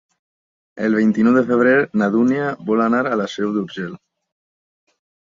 El vint-i-nou de febrer na Dúnia vol anar a la Seu d'Urgell.